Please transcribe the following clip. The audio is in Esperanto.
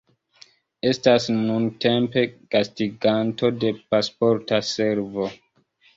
Estas nuntempe gastiganto de Pasporta Servo.